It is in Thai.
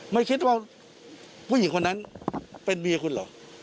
ไม่คิดว่าผู้หญิงคนนั้นเป็นเมียคุณเหรอ